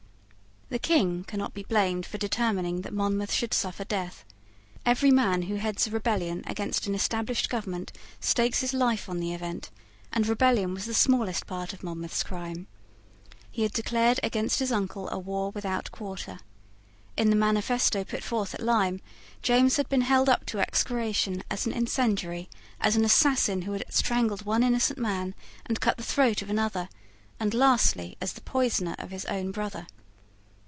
The King cannot be blamed for determining that Monmouth should suffer death. Every man who heads a rebellion against an established government stakes his life on the event; and rebellion was the smallest part of Monmouth's crime. He had declared against his uncle a war without quarter. In the manifesto put forth at Lyme, James had been held up to execration as an incendiary, as an assassin who had strangled one innocent man and cut the throat of another, and, lastly, as the poisoner of his own brother.